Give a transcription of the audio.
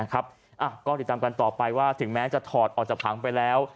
ก็ติดตามกันต่อไปว่าถึงแม้จะถอดออกจากผังไปแล้ว